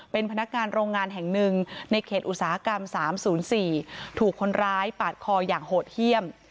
พนักงานโรงงานแห่งหนึ่งในเขตอุตสาหกรรมสามศูนย์สี่ถูกคนร้ายปาดคออย่างโหดเฮี่ยม